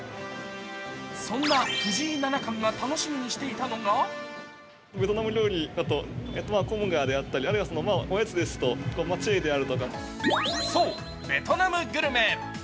そんな藤井七冠が楽しみにしていたのがそう、ベトナムグルメ。